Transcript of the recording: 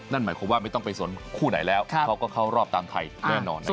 นั่นหมายความว่าไม่ต้องไปสนคู่ไหนแล้วเขาก็เข้ารอบตามไทยแน่นอน